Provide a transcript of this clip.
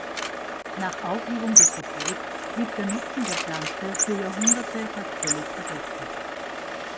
Nach Aufhebung des Verbots blieb der Nutzen der Pflanze für Jahrhunderte fast völlig vergessen.